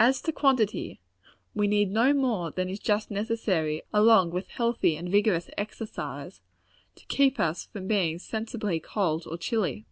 As to quantity, we need no more than is just necessary, along with healthy and vigorous exercise, to keep us from being sensibly cold or chilly.